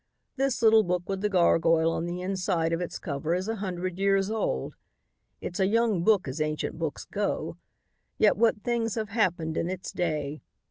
This little book with the gargoyle on the inside of its cover is a hundred years old. It's a young book as ancient books go, yet what things have happened in its day.